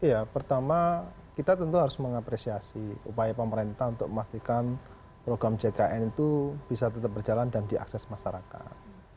ya pertama kita tentu harus mengapresiasi upaya pemerintah untuk memastikan program jkn itu bisa tetap berjalan dan diakses masyarakat